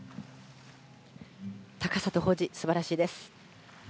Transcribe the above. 高さと保持素晴らしいです。